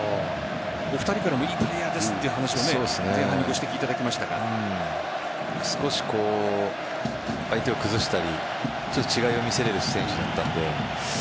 お二人からも良いプレーヤーですと少し相手を崩したり違いを見せれる選手だったので。